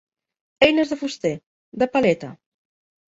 Eines de fuster, de paleta.